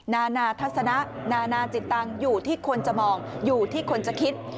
นานาทัศนะนานาจิตตังอยู่ที่คนจะมองอยู่ที่คนจะคิด